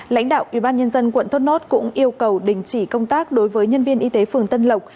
lãnh đạo ubnd quận thốt nốt cũng yêu cầu đình chỉ công tác đối với nhân viên y tế phường tân lộc